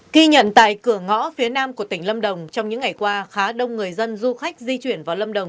kỳ nhận tại cửa ngõ phía nam của tỉnh lâm đồng trong những ngày qua khá đông người dân du khách di chuyển vào lâm đồng